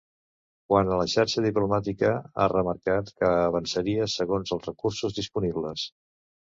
Quant a la xarxa diplomàtica, ha remarcat que avançaria segons els recursos disponibles.